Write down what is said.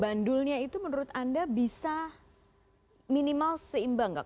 bandulnya itu menurut anda bisa minimal seimbang nggak